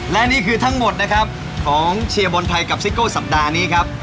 และนี่คือทั้งหมดนะครับของเชียร์บอลไทยกับซิโก้สัปดาห์นี้ครับ